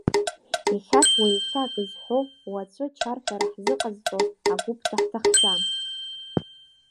Ихьаҵуа, иахьа акы ҳәо, уаҵәы чарҳәара ҳзыҟазҵо агәыԥ даҭахӡам.